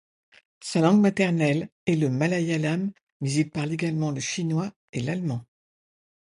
Sa langue maternelle est le malayalam mais il parle également le chinois et l'allemand.